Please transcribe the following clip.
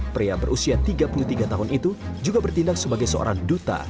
pria berusia tiga puluh tiga tahun itu juga bertindak sebagai seorang duta